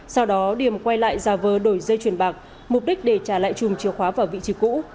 sau đó điểm quay lại giả vờ đổi dây chuyển bạc mục đích để trả lại chùm chìa khóa vào vị trí cũ